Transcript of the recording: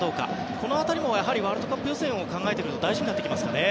この辺りもワールドカップ予選を考えていくと大事になりますよね。